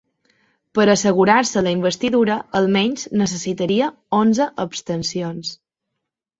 Per assegurar-se la investidura, almenys necessitaria onze abstencions.